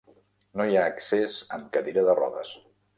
No hi ha accés amb cadira de rodes.